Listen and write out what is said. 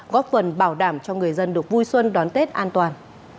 góp phần bảo đảm cho người dân được vui xuân đón tết an toàn